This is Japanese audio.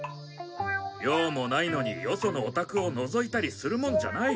用もないのによそのお宅をのぞいたりするもんじゃない。